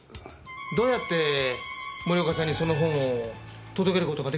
どうやって森岡さんにその本を届ける事が出来たんですか？